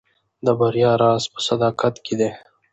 د بریا راز په صداقت کې دی.